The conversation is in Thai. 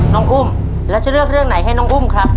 น้องอุ้มแล้วจะเลือกเรื่องไหนให้น้องอุ้มครับ